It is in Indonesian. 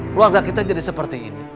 keluarga kita jadi seperti ini